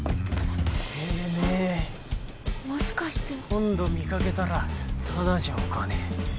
今度見掛けたらただじゃおかねえ。